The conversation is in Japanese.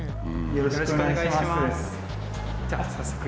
よろしくお願いします。